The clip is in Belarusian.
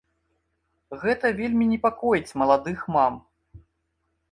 Гэта вельмі непакоіць маладых мам.